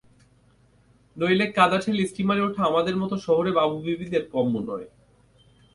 নইলে কাদা ঠেলে স্টিমারে ওঠা আমাদের মতো শহুরে বাবুবিবিদের কম্ম নয়।